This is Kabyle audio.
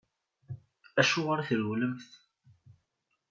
Acuɣeṛ i trewlemt?